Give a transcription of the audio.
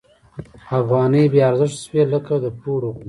افغانۍ بې ارزښته شوې لکه د پړو غوندې.